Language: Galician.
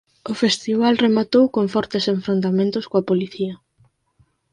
O festival rematou con fortes enfrontamentos coa policía.